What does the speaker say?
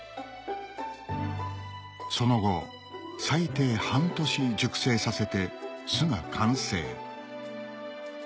その後最低半年熟成させて酢が完成